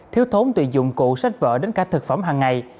thiếu thốn tùy dụng cụ sách vợ đến cả thực phẩm hằng ngày